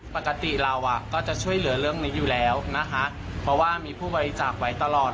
ปกติเราก็จะช่วยเหลือเรื่องนี้อยู่แล้วนะคะเพราะว่ามีผู้บริจาคไว้ตลอด